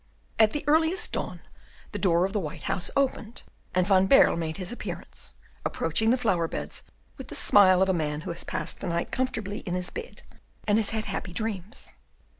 At the earliest dawn the door of the white house opened, and Van Baerle made his appearance, approaching the flower beds with the smile of a man who has passed the night comfortably in his bed, and has had happy dreams.